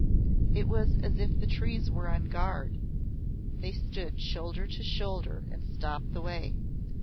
It was as if the trees were on guard they stood shoulder to shoulder and stopped the way.